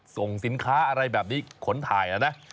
ส่งสินค้าอะไรแบบนี้ขนถ่ายนะ